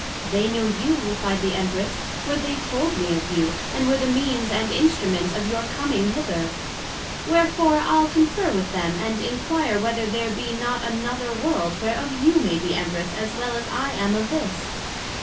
They know you, replied the Empress; for they told me of you, and were the means and instrument of your coming hither: Wherefore I'le conferr with them, and enquire whether there be not another World, whereof you may be Empress as well as I am of this?